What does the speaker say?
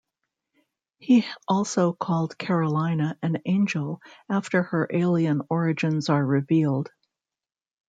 He also called Karolina an angel after her alien origins are revealed.